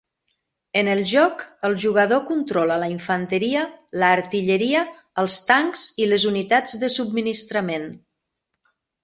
En el joc, el jugador controla la infanteria, l'artilleria, els tancs i les unitats de subministrament.